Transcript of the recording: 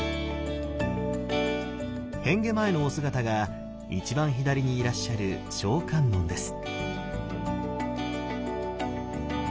変化前のお姿が一番左にいらっしゃる聖観音です。